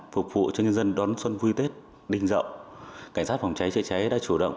phục vụ cho nhân dân đón xuân vui tết đinh rộng cảnh sát phòng cháy chữa cháy đã chủ động